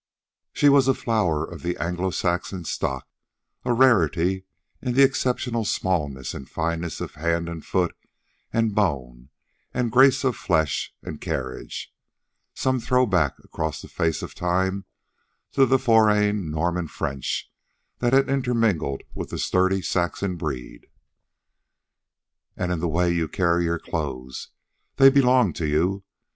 She was a flower of Anglo Saxon stock, a rarity in the exceptional smallness and fineness of hand and foot and bone and grace of flesh and carriage some throw back across the face of time to the foraying Norman French that had intermingled with the sturdy Saxon breed. "And in the way you carry your clothes. They belong to you.